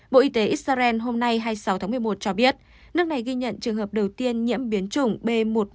bộ y tế israel hôm nay hai mươi sáu tháng một mươi một cho biết nước này ghi nhận trường hợp đầu tiên nhiễm biến chủng b một một năm trăm hai mươi chín